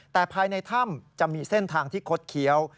แต่ภายในถ้ำจะมีเส้นทางที่คดเคี้ยว